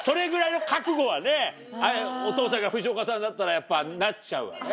お父さんが藤岡さんだったらやっぱなっちゃうわね。